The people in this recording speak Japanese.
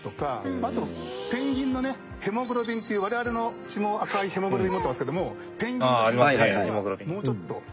あとペンギンのねヘモグロビンっていう我々の血も赤いヘモグロビンを持ってますけどもペンギンのヘモグロビンはもうちょっと性能がいい。